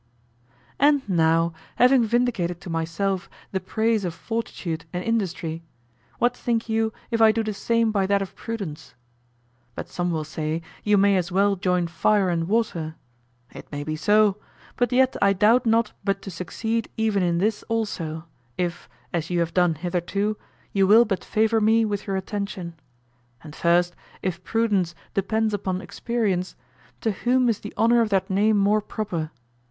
And now, having vindicated to myself the praise of fortitude and industry, what think you if I do the same by that of prudence? But some will say, you may as well join fire and water. It may be so. But yet I doubt not but to succeed even in this also, if, as you have done hitherto, you will but favor me with your attention. And first, if prudence depends upon experience, to whom is the honor of that name more proper?